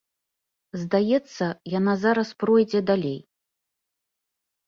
Здаецца, яна зараз пройдзе далей.